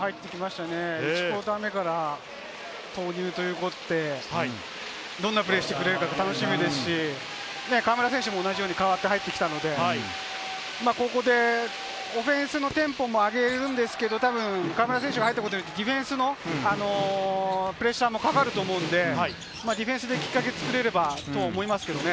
１クオーター目から投入ということで、どんなプレーをしてくれるか楽しみですし、河村選手も同じように代わった入ってきたので、ここでオフェンスのテンポも上げるんですけど、河村選手が入ったことによって、ディフェンスのプレッシャーもかかると思うので、ディフェンスできっかけを作れればと思いますけどね。